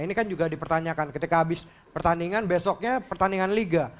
ini kan juga dipertanyakan ketika habis pertandingan besoknya pertandingan liga